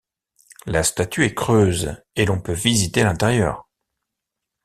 La statue est creuse et l'on peut visiter l'intérieur.